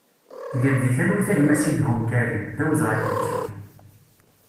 Gen di talwit a gma Sidhum Karim, d awezɣi ad k-nettu!